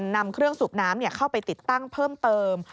นำเครื่องสูบน้ำเข้าไปติดตั้งเพิ่มเติม